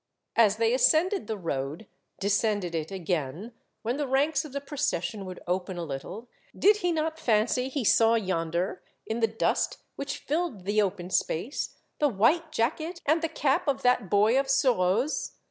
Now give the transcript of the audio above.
As they ascended the road, descended it again, when the ranks of the procession would open a little, did he not fancy he saw yonder, in the dust which filled the open space, the white jacket and the cap of that boy of Bureau's?